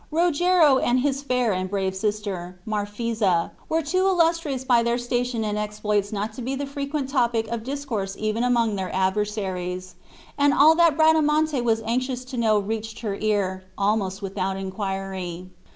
Rogero and his fair and brave sister, Marphisa, were too illustrious by their station and exploits not to be the frequent topic of discourse even among their adversaries, and all that Bradamante was anxious to know reached her ear, almost without inquiry.